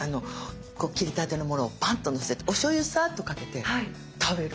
切りたてのものをパンッとのせておしょうゆサーッとかけて食べるのが一番好き。